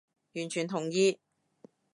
完全同意